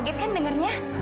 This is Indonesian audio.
kaget kan dengernya